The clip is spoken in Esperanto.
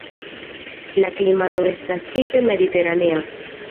La klimato estas tipe mediteranea.